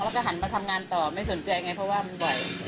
แล้วก็หันมาทำงานต่อไม่สนใจไงเพราะว่ามันบ่อย